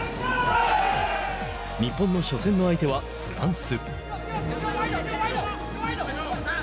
日本の初戦の相手はフランス。